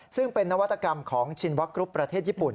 ซึ่งเป็นนวัตกรรมของชินวกรุ๊ปประเทศญี่ปุ่น